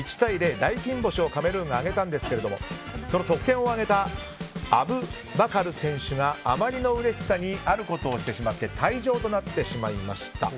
大金星をカメルーンが挙げたんですがその得点を挙げたアブバカル選手があまりのうれしさにあることをしてしまって退場となってしまいました。